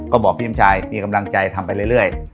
ก็บอกพี่ชายมีกำลังใจทำไปเรื่อย